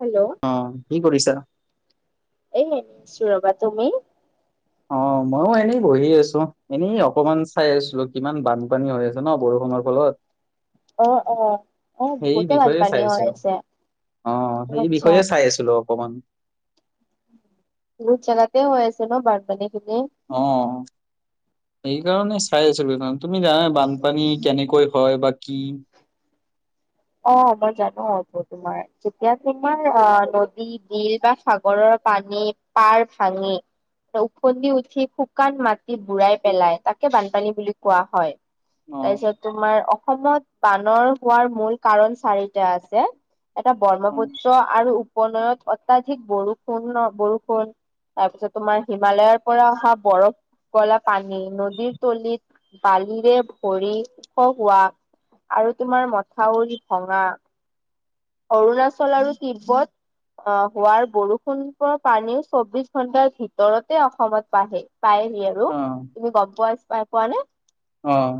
Hello অঁ কি কৰিছা? এই এনেই আছোঁ ৰবা, তুমি? অ মইও এনেই বহি আছো, এনেই অকমান চাই আছিলো কিমান বানপানী হৈ আছে ন বৰষুণ আমাৰ গৰত অ-অ-অ বহুতে বিষয়ে বানপানী চাই হৈ আছিলো আছে । অ সেই বিষয়ে চাই আছিলো অকমান বহুত জেগাতে হৈ আছে ন বানপানী খিনি। অ সেইকাৰণে চাই আছিলো এইখন - তুমি জানা বানপানী কেনেকৈ হয় বা কি - অ মই জানো আৰু তোমাৰ যেতিয়া তোমাৰ অ নদী, বিল বা সাগৰৰ - পানী পাৰ ভাঙি - উঠি শুকান মাটি বুঢ়াই পেলাই তাকে বানপানী বুলি কোৱা হয়। অ তাৰপিছত তোমাৰ অসমত বানৰ হোৱাৰ মূল কাৰণ চাৰিটা আছে। এটা অ ব্ৰহ্মপুত্ৰ আৰু উপনৈত অত্যাধিক বৰষুণৰ ।বৰষুণ, - তাৰপিছত তোমাৰ হিমালয়ৰ পৰা অহা বৰফ গলা পানী নদীৰ তলিত বালিৰে ভৰি হোৱা আৰু তোমাৰ মথাউৰি ভঙা অৰুণাচল আৰু তিব্বত অ হোৱাৰ বৰষুণৰ পানীও চৌবিশ ঘন্টাৰ ভিতৰতে অসমত বাঢ়ে। পায়হি আৰু অ তুমি গম পাই পাই পোৱা নে? অঁ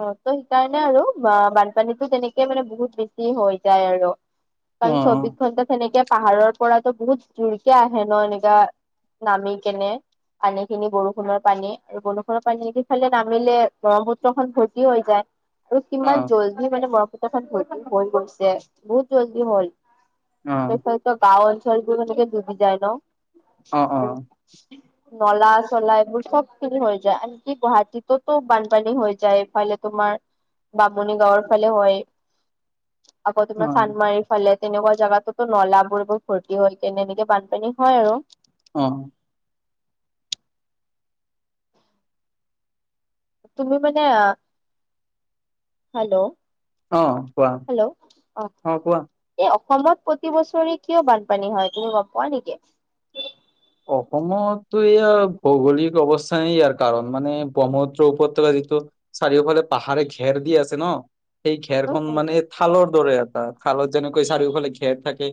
অঁ তো সেইকাৰণে আৰু বা বান পানীটো তেনেকে মানে বহুত বেছি হৈ যায় আৰু অ অ কাৰণ চৌবিশ ঘন্টা তেনেকে পাহাৰৰ পৰাতো বহুত জোৰকে আহে ন এনেকা নামি কেনে - পানীখিনি বৰষুণৰ, পানী আৰু বৰষুণৰ পানী নদীফালে নামিলে ব্ৰহ্মপুত্ৰখন ভৰ্তি হৈ যায়। আৰু অ কিমান জল্দি মানে ব্ৰহ্মপুত্ৰখন ভৰ্তি হৈ গৈছে বহুত জল্দি হল অ অ গাঁও, অঞ্চলবোৰ তেনেকে দুবি যায় ন অ উ নলা-চলা এইবোৰ চবখিনি হৈ যায় আনকি গুৱাহাটীতটো বানপানী হৈ যায়। ইফালে তোমাৰ বামুণী গাঁৱৰফালে হয় আকৌ অ তোমাৰ চানমাৰীৰ ফালে - তেনেকুৱা জাগাতোতো নলাবোৰ এইবোৰ ভৰ্তি হৈ কেনে এনেকে বানপানী হয়। আৰু অ তুমি মানে হেল্ল' অ কোৱা হেল্ল' অ- অ কোৱা অসমত প্ৰতি বছৰে কিয় বানপানী হয় তুমি গম পোৱা নেকি? অসমতো ইয়াৰ ভৌগোলিক অৱস্থান ইয়াৰ কাৰণ মান ব্ৰহ্মপুত্ৰ উপত্যকা - চাৰিওফালে পাহাৰে ঘেৰ দি আছে ন সেই উম ঘেৰখন উম মানে থালৰ - দৰে এটা খালত যেনেকৈ চাৰিওফালে ঘেৰ থাকে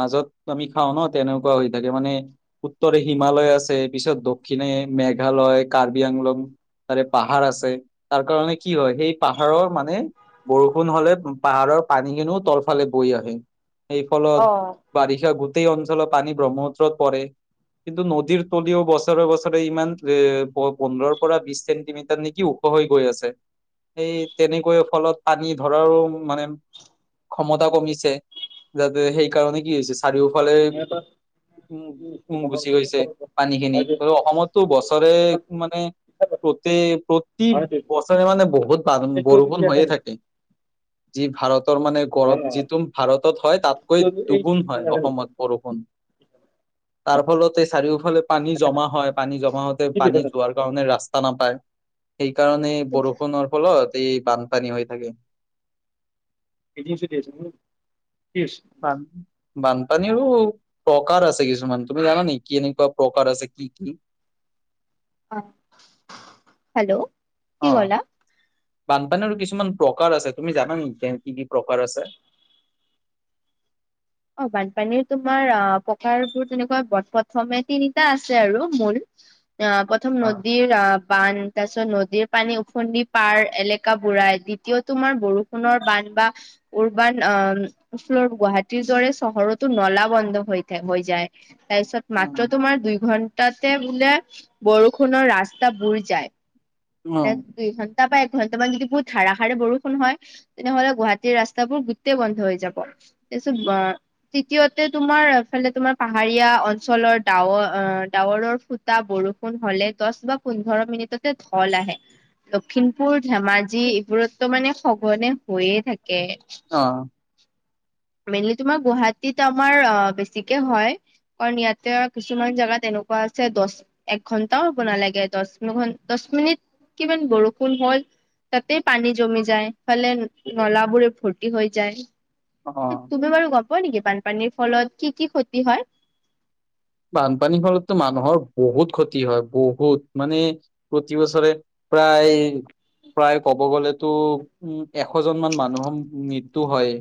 মাজত আমি খাওঁ ন তেনেক - কোৱা হৈ থাকে মানে । উত্তৰে হিমালয় আছে পিছত দক্ষিণে মেঘালয়, কাৰ্বি আংলং । তাৰে পাহাৰ আছে তাৰ কাৰণে কি হয় সেই পাহাৰৰ মানে । বৰষুণ হলে পাহাৰৰ পানীখিনিও তলফালে বৈ আহে। এই অ ফলত বাৰিষা গোটেই অঞ্চলত পানী ব্ৰহ্মপুত্ৰত পৰে। কিন্তু নদীৰ তলিও বছৰে-বছৰে ইমান এ পোন্ধৰৰ পৰা বিশ চেণ্টিমিটাৰ নেকি? ওখ হৈ গৈ আছে সেই তেনেকৈ ফলত পানী ধৰাৰো মানে ক্ষমতা কমিছে যাতে সেইকাৰণে কি হৈছে । চাৰিওফালে উম উম গুচি গৈছে পানীখিনি আৰু অসমতো বছৰে মানে প্ৰতি-প্ৰতি বছৰে মানে বহুত বৰষুণ হৈয়ে থাকে। যি ভাৰত । মানে গৰম যিটো ভাৰতত হয় তাতকৈ দুগুণ হয় অসমত বৰষুণ। তাৰ ফলতে চাৰিওফালে পানী জমা হয় পানী জমা হওঁতে পানী যোৱাৰ কাৰণে। ৰাস্তা নাপায়, সেইকাৰণে বৰষুণৰ ফলত। তে বানপানী হৈ থাকে। এটিম চ দেছ ন। বানপানী প্ৰকাৰ আছে কিছুমান। তুমি জানা নেকি? এনেকুৱা প্ৰকাৰ আছে কি কি? অ হেল্ল' কি অ ক'লা? বানপানীৰো কিছুমান প্ৰকাৰ আছে তুমি জানা নেকি কি কি প্ৰকাৰ আছে? [inaudible] অ বানপানীৰ তোমাৰ অ প্ৰকাৰ বোৰ তেনেকুৱা প্ৰথমে তিনিটা আছে আৰু মূল। অ প্ৰথম অ নদীৰ বান তাৰছত ন। নদী পানী উফন্দি পাৰ এলেকা বুৰাই দ্বিতীয় তোমাৰ বৰষুণৰ বান্ধ বা উৰ্বাৰ। [inaudible] ফ্ল গুৱাহ। ৰে চহৰতো নলা বন্ধ হৈ থ হৈ যায়। তাৰপিছত মাত্ৰ উম, তোমাৰ দুই ঘণ্টা। তাতে বোলে বৰষুণৰ ৰাস্তা বুুৰ যায় মে দু। তাৰ পৰাাএঘণ্টামান যদি বহুত ধাৰষাৰে বৰষুণ হয়। তেনেহলে গুৱাহাটীৰ ৰাস্তাবোৰ গোটেই বন্ধ হৈ যাব, তাৰপিছত তৃতীয়তে তোমাৰফালে তোমাৰ পাহাৰীয়া অঞ্চলৰ ডাৱৰ অ। ডাৱৰৰ ফুটা বৰষুণ হলে দহ বা পোন্ধৰ মিনিটতে। ফল আহে লখিমপুৰ ধেমাজি এইবোৰতো মানে সঘনে হৈয়ে থাকে। অ কে। মেইনলি তোমাৰ গুৱাহাটীত আমাৰ অ বেছিকে হয় কাৰণ ইয়াতে কিছুমান জেগাত তেনেকা। এনেকুৱা আছে দহ এক ঘণ্টাও বনালাগে দহ দহ মিনিট। কিমান বৰষুণ হয়? তাতেই পানী জমি যায় ফালে নলাবোৰে ফূৰ্তি হৈ যায়। অ অ তুমি বাৰু গম পোৱা নেকি? বানপানীৰ ফলত কি কি ক্ষতি হয়। বানপানীৰ ফলতো মানুহৰ বহুত ক্ষতি হয় বহুত মানে প্ৰতি বছৰে। প্ৰায়। প্ৰায় ক'ব গ'লেতো উম এশজনমান মানুহৰ মৃত্যু হয়।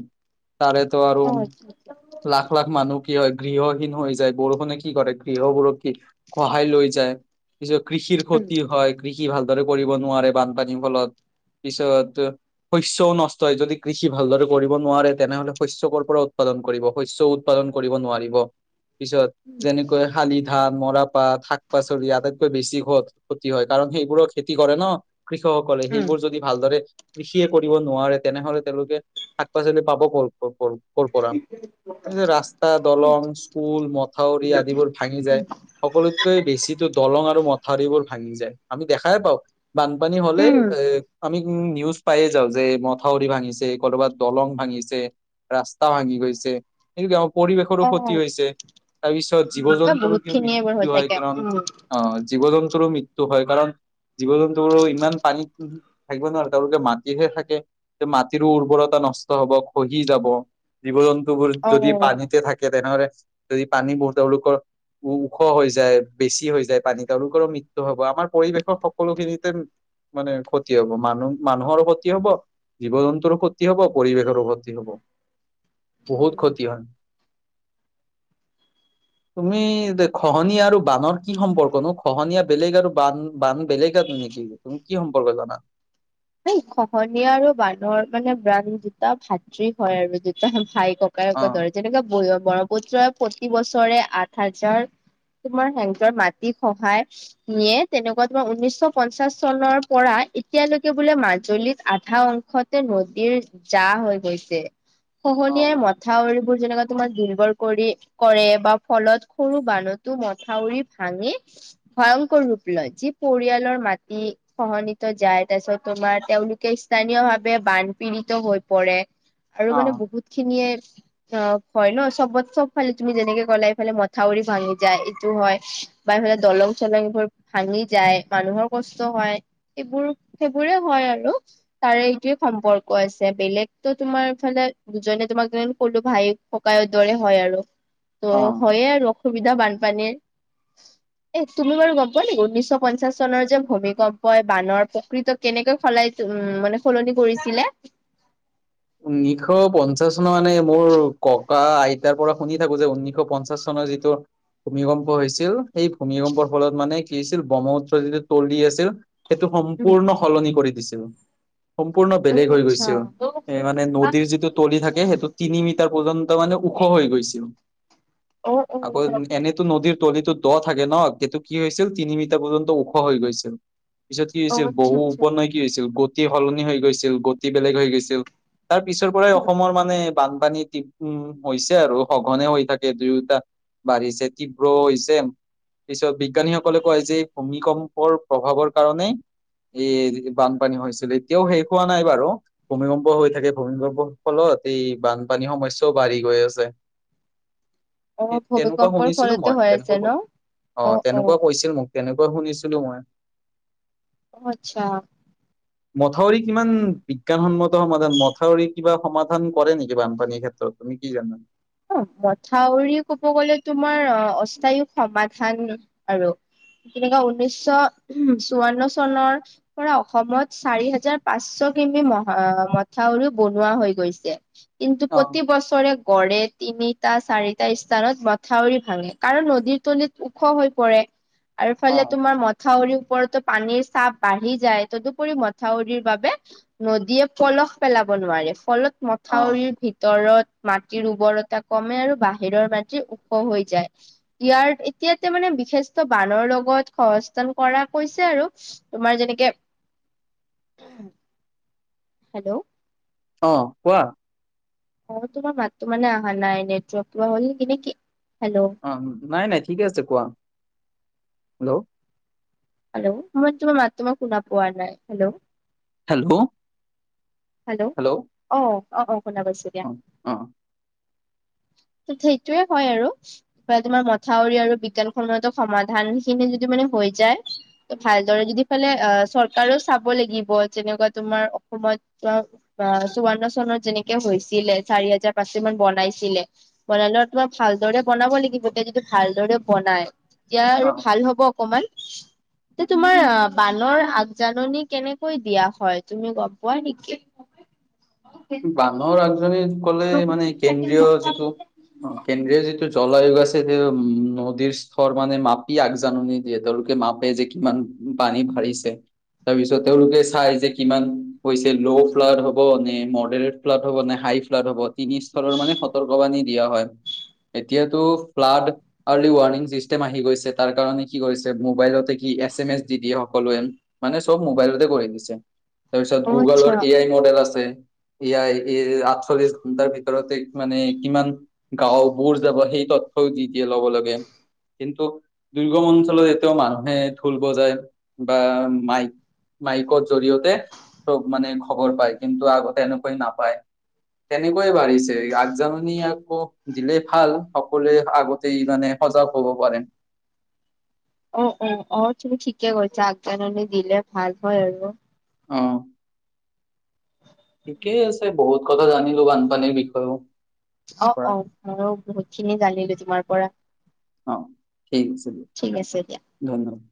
তাৰেতো আৰু উম, লাখ লাখ মানুহ কি হয় গৃহহীন হৈ যায় বৰষুণে। কি কৰে ।গৃহবোৰক কি সহায় লৈ যায়। পিছত কৃষিৰ ক্ষতি হয় কৃষি। কি ভালদৰে কৰিব নোৱাৰে বানপানীৰ ফলত। পিছত, শস্যও নষ্ট হয় যদি কৃষি ভালদৰে কৰিব নোৱাৰে তেনেহলে শস্য ক' পৰা উত্ত। কৰিব শস্য উৎপাদন কৰিব নোৱাৰিব পিছত যেনেকৈ শালি ধান। মৰাপাটশাক পাচলি আটাইতকৈ বেছি ক ক্ষতি হয় কাৰণ সেইবোৰো খেতি কৰে ন! কৃষকসকলে সেইবোৰ যদি ভালদৰে। কৃষিয়ে কৰিব নোৱাৰে, তেনেহলে তেওঁলোকে শাক পাচলি পাব। কৰ কৰ কৰৰপৰা এই যে ৰাস্তা উম, দলং স্কুল মত। মথাউৰি আদিবোৰ ভাঙি যায় সকলোতকৈ বেছি দলং আৰু মথাউৰি ঠাৰিবোৰ ভাঙি যায় আমি দেখাই পাওঁ বানপানী হলে উম, এ আমি। উম, নিউজ পায়ে যাওঁ যে মথাউৰি ভাঙিছে কৰোবাত দলং ভাঙিছে। ৰাস্তা ভাঙি গৈছে সটো কি আমাৰ পৰিৱেশৰো ক্ষতি অ' হৈছে। তাৰ পিছত জীৱ এ জন্তুৰো বহুত কিয় খিনিয়ে বাৰু হৈ মৃত্যু হয় থাকে কাৰণ উম, আহ। জীৱ জন্তুৰো মৃত্যুহয় কাৰণ জীৱ জন্তুৰো ইমান পানীত। থাকিব নোৱাৰে তেওঁলোকে মাটিহে থাকে যে মাটিৰো উৰ্বৰতা নষ্ট হব খহি যাব। জীৱ জন্তুবোৰ যদি অ'। পানীতে থাকে তেনেহলে যদি পানীবোৰ তেওঁলোকৰ। ওখ হৈ যায়, বেছি হৈ যায় পানী তেওঁলোকৰো মৃত্যু হব আমাৰ পৰিৱেশৰ সকলোখিনিতে। মানে ক্ষতি হব মানুহ, মানুহৰ ক্ষতি হব। জীৱ জন্তুৰো ক্ষতি হব পৰিৱেশৰো ক্ষতি হব বহুত ক্ষতি হয়। [inaudible] তুমি খহনীয়া আৰু বানৰ কি সম্পৰ্ক নো? খহনীয়া বেলেগ আৰু বান বান বেলেগ- নেকি, তুমি কি সম্পৰ্ক জানা? এই খহনীয়া আৰু বানৰ মানে ব্ৰাণ দুটা ভাতৃ হয় আৰু দুটা ভাইক অ ককায়েকৰ দৰে যেনেকাে ব্ৰহ্মপুত্ৰই প্ৰতি বছৰে আঠ হাজাৰ- তোমাৰ সেহতৰ মাটিৰ খ্হাই নিয়ে তেনেকুৱা তোমাৰ উনৈশ পঞ্চাশ চনৰ পৰা- এতিয়ালৈকে বোলে মাজুলীত আধা অংশতে নদীৰ জা হৈ গৈছে। অ খহনীয়াই মথাউৰি বোৰ যেনেকা তোমাৰ দিন বৰ কৰি কৰে বা ফলত সৰু বানুতো মথাউৰি ভাঙে, ভয়ংকৰ ৰূপ লয় যি পৰিয়ালৰ মাটি খহনিত যায়। তাৰপিছত তোমাৰ তেওঁলোকে স্থানীয় ভাৱে বানপীড়িত হৈ পৰে, আৰু অ মানে বহুত খিনিয়ে- অ হয় ন? চবত চবফালে তুমি যেনেকে গ'লা এইফালে মথাউৰি ভাঙি যায় এইটো হয় বা সেইফালে দলং চলং এইবোৰ ভাঙি যায় মানুহৰ কষ্ট হয় এইবোৰ সেইবোৰে হয় আৰু তাৰে এইটোৱে সম্পৰ্ক আছে বেলেগতো তোমাৰফালে দুজনে - তোমাক কলো ভাই ককায়ৰ দৰে হয় আৰু অ ত' হয়ে আৰু, সুবিধা বানপানীৰ এ তুমি বাৰু গম পোৱা নেকি? উনৈশ পঞ্চাশ চনৰ যে ভূমিকম্পই বানৰ প্ কৃত কেনেকৈ সলাই উ মানে সলনি কৰিছিলে? উনৈশ পঞ্চাশ চনৰ মানে মোৰ ককা আইতাৰ পৰা শুনি থাকো যে উনৈশ পঞ্চাশ চনত ৰ যিটো। ভূমিকম্প হৈছিল সেই ভূমিকম্পৰ ফলত মানে কি হৈছিল ব্ৰহ্মপুত্ৰ যিটো তলি আছিল সেইটো সম্পূৰ্ণ সলনি কৰি দিছিল সম্পূৰ্ণ অ' বেলেগ হৈ আচ্ছা গৈছিল। এ অ' মানে নদীৰ যিটো তলি থাকে, সেইটো তিনি মিটাৰ পৰ্যন্ত মানে ওখ হৈ গৈছিল। আকৌ অ' এনেতো নদীৰ তলিটো দ' থাকে ন? সেইটো কি হৈছিল তিনি মিটাৰ পৰ্যন্ত ওখ হৈ গৈছিল। পিছত কি অ' হৈছিল আচ্ছা বহু আচ্ছা উপনয় কি হৈছিল গতি সলনি হৈ গৈছিল, গতি বেলেগ হৈ গৈছিল। তাৰ পিছৰ পৰাই অসমৰ মানে- বানপানী টিপ উ হৈছে আৰু সঘনে হৈ থাকে দুয়োটা, বাঢ়িছে তীব্ৰ হৈছে। পিছত বিজ্ঞানীসকলে কয় যে ভূমিকম্পৰ প্ৰভাৱৰ কাৰণে- এই বানপানী হৈছিল এতিয়াও শেষ হোৱা নাই বাৰু ভূমিকম্প- হৈ থাকে, ভূমিকম্পৰ ফলত এই বানপানীৰ সমস্যাও বাঢ়ি গৈ আছে। সে অ' তেনেকুৱা ভূমিকম্পৰ শুনিছিলো ফলতে মই, হৈ আছে তেনেকুৱা ক ন অঁ অ' অ' তেনেকুৱা কৈছিল মোক। তেনেকুৱা শুনিছিলো মই। অ আচ্ছা। মথাউৰি কিমান বিজ্ঞানসন্মত- সমাধান মথাউৰি কিবা সমাধান কৰে নেকি বানপানীৰ ক্ষেত্ৰত তুমি কি জানা? অ মথাউৰি কব গলে তোমাৰ অ অস্থায়ী সমাধান আৰু। তেনেকুৱা উনৈশ চৌৱন্ন চনৰ পৰা অসমত চাৰি হাজাৰ পাঁচশ কি মহা মথাউৰিও বনোৱা হৈ গৈছে, কিন্তু অ প্ৰতি বছৰে গড়ে তিনিটা চাৰিটা স্থানত মথাউৰি ভাঙে কাৰণ নদীৰ তলিত ওখ হৈ পৰে। আৰু অ ইফালে তোমাৰ মথাউৰিও ওপৰতো পানীৰ চাপ বাঢ়ি যায় তদুপৰি মথাউৰিৰ বাবে নদীয়ে পলস পেলাব নোৱাৰে ফলত অ মথাউৰিৰ ভিতৰত মাটিৰ উৰ্বৰ তা কমে আৰু বাহিৰৰ মাটি ওখ হৈ যায় ।ইয়াৰ এতিয়াতে মানে বিশেষ্ট বানৰ লগত সস্থান কৰা কৈছে আৰু তোমাৰ যেনেকে [inaudible] [unintelligible] হেল্ল'! অঁ কোৱা? অ তোমাৰ মাতটো মানে অহা নাই নেটৰ্ক হ'ল কি নেকি অ নাই নাই ঠিকে আছে কোৱা হেল্ল' হেল্ল' মই তোমাৰ মাত তোমাক শুনা পোৱা নাই হেল্ল' হেল্ল' হেল্ল' অ অ অ শুনা পাইছো দিয়া অ অ [inaudible] সেইটোয়ে হয় আৰু ক তোমাৰ মথাউৰি আৰু বিজ্ঞান সমন্তো সমাধান খিনি যদি মানে। হৈ যায় ভালদৰে যদি ফালে আহ চৰকাৰেও চাব লাগিব যেনেকুৱা তোমাৰ অসমত- ত চৌৱন্ন চনত যেনেকে হৈছিলে চাৰি হাজাৰ পাঁচ মান বনাইছিলে বন তোমাৰ ভালদৰে বনাব লাগিব এতিয়া যদি ভালদৰে বনাই এতিয়া আৰু অ ভাল হ'ব অকমান- [inaudible] এ তোমাৰ বানৰ আগজাননী কেনেকৈ দিয়া হয় তুমি গম পোৱা নেকি? কি? বানৰ আগজনী কলে মানে কেন্দ্ৰীয় যিটো অ কেন্দ্ৰীয় যিটো- জলাআয়োগ আছে উম নদীৰ স্তৰ মানে মাপি, আগজাননী দিয়ে তেওঁলোকে মাপে যে কিমান- পানী ভাৰিছে- তাৰপিছত তেওঁলোকে চাই যে কিমান ল' ফ্লাৰ হব নে- ফ্লট হব নে হাই ফ্লট হ'ব তিনি স্তৰৰ মানে সতৰ্ক বাণী দিয়া হয়। এতিয়াতো ফ্লাড আৰ্লি ৱৰ্ণিং চিষ্টেম আহি গৈছে তাৰ কাৰণে কি কৈছে মোবাইলতে কি এছ এম এছ দি দিয়ে সকলোৱে মানে চব মোবাইলতে কৰি দিছে তাৰপিছত অ আচ্ছা গুগলৰ এ আই মডেল আছে এয়াৰ এই আঠচল্লিশ ঘন্টাৰ ভিতৰতে মানে কিমান গাঁও বুৰ যাব সেই তথ- দিতিয়া ল'ব লাগে। কিন্তু দুৰ্গম অঞ্চলে যেতিও মানুহে ভুল বজায় বা মাইক- মাইকৰ জৰিয়তে চব মানে খবৰ পায় কিন্তু আগতে এনেকুৱাই নাপায়। তেনেকৈয়ে বাঢ়িছে আগজাননী আকৌ দিলে ভাল সকলোৱে আগতে মানে সজাগ হব পাৰে। অ অ অ তুমি ঠিকে কৈছা আগজাননি দিলে ভাল হয় ।আৰু- অ ঠিকেই আছে বহুত কথা জানিলো বানপানীৰ বিষয়েও অ পৰা অ মইয়ো বহুত খিনি জানিলো তোমাৰ পৰা। অ ঠিক আছে দিয়া ঠিক আছে দিয়া। ধন্যবাদ